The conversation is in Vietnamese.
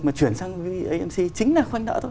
mà chuyển sang amc chính là khoanh nợ thôi